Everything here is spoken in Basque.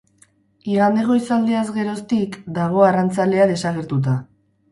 Igande goizaldeaz geroztik dago arrantzalea desagertuta.